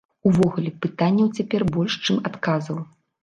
Увогуле, пытанняў цяпер больш, чым адказаў.